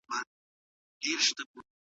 څنګه کولای سو چي دا ستونزه حل کړو؟